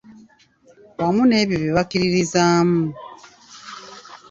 Wamu n’ebyo bye bakkiririzaamu.